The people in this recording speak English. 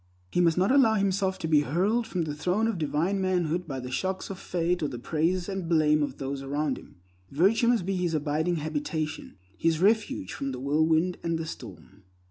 He must not allow himself to be hurled from the throne of divine manhood by the shocks of fate or the praise and blame of those around him. Virtue must be his abiding habitation; his refuge from the whirlwind and the storm.